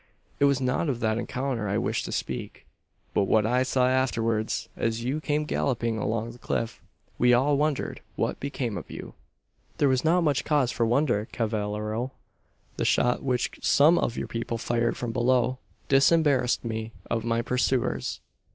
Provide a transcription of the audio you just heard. "It was not of that encounter I wished to speak; but what I saw afterwards, as you came galloping along the cliff. We all wondered what became of you." "There was not much cause for wonder, cavallero. The shot which some of your people fired from below, disembarrassed me of my pursuers.